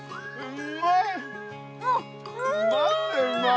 うんまい。